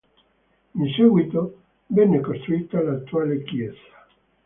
In seguito venne costruita l'attuale chiesa.